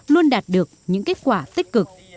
luôn đạt được những kết quả tích cực